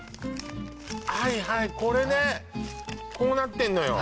はいはいこれねこうなってんのよ